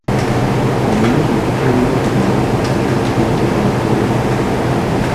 Omuwendo ogutoolebwa ku mulala guyitibwa Ntoolwako.